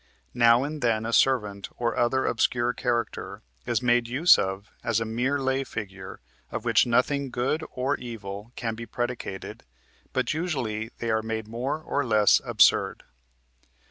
Now and then a servant or other obscure character is made use of as a mere lay figure of which nothing good or evil can be predicated, but usually they are made more or less absurd.